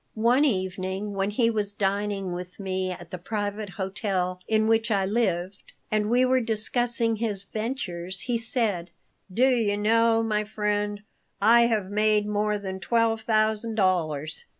One evening, when he was dining with me at the private hotel in which I lived, and we were discussing his ventures, he said: "Do you know, my friend, I have made more than twelve thousand dollars?"